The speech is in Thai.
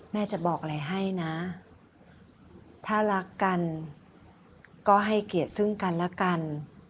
แม่จะบอกอะไรให้นะถ้ารักกันก็ให้เกียรติซึ่งกันแล้วกัน